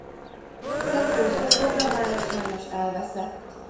Szent József szobra mára sajnos elveszett.